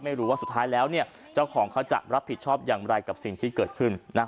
ไม่รู้ว่าสุดท้ายแล้วเนี่ยเจ้าของเขาจะรับผิดชอบอย่างไรกับสิ่งที่เกิดขึ้นนะ